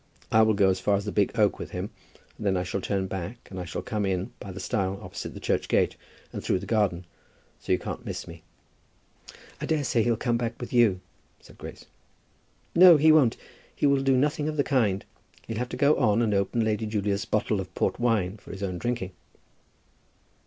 I will go as far as the big oak with him, and then I shall turn back, and I shall come in by the stile opposite the church gate, and through the garden. So you can't miss me." "I daresay he'll come back with you," said Grace. "No, he won't. He will do nothing of the kind. He'll have to go on and open Lady Julia's bottle of port wine for his own drinking."